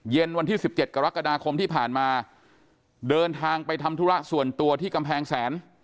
วันที่๑๗กรกฎาคมที่ผ่านมาเดินทางไปทำธุระส่วนตัวที่กำแพงแสน